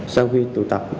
sau khi tụ tập